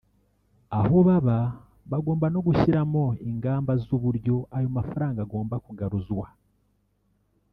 aho baba bagomba no gushyiramo ingamba z’uburyo ayo mafaranga agomba kugaruzwa